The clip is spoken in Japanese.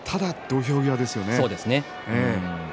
ただ土俵際ですよね。